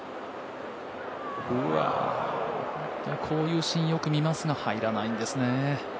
こういうシーンよく見ますが、入らないんですね。